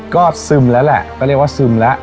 ก็ซึมแล้วแหละก็เรียกว่าซึมแล้ว